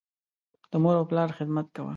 د مور او پلار خدمت کوه.